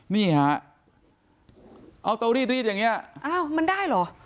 นี่ฮะเอาเตารีดรีดอย่างเงี้ยอ้าวมันได้เหรอ